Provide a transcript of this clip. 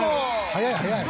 「早い早い」